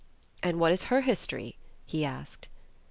"And what is her history?" he asked.